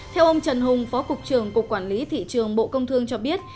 theo ông trần hùng phó cục trưởng cục quản lý thị trường bộ công thương cho biết